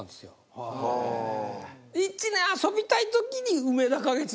１年遊びたい時に。